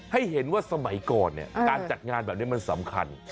ให้เห็นว่าสมัยก่อนเนี่ยการจัดงานแบบนี้มันสำคัญ